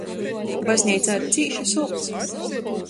Bazneicā ir cīši solts.